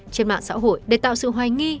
trên mạng xã hội để tạo sự hoài nghi